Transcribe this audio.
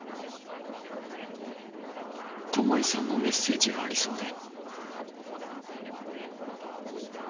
巴さんのメッセージがありそうで